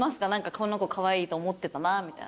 この子カワイイと思ってたなみたいな。